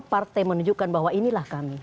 partai menunjukkan bahwa inilah kami